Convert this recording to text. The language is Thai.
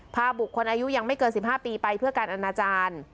พาบุคคลอายุยังไม่เกิน๑๕ปีไปเพื่อการอนาจารย์